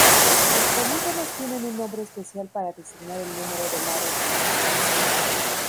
Los polígonos tienen un nombre especial para designar el número de lados del mismo.